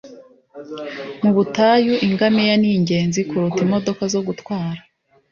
mu butayu, ingamiya ni ingenzi kuruta imodoka zo gutwara